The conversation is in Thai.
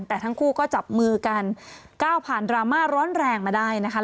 แต่ทั้งคู่ก็จับมือกันก้าวผ่านดราม่าร้อนแรงมาได้นะคะ